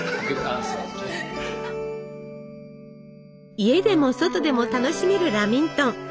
家でも外でも楽しめるラミントン。